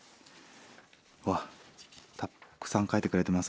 わあたくさん書いてくれてます。